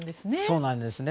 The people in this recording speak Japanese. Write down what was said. そうなんですね。